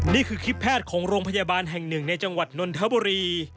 นี่คือคลิปแพทย์ของโรงพยาบาลแห่งหนึ่งในจังหวัดนนทบุรี